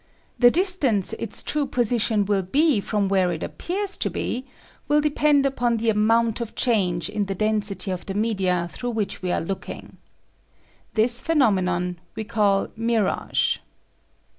The distance its true position will be from where it appears to be will depend upon the amount of change in the density of the media through which we are looking. This phenomenon we call mirage.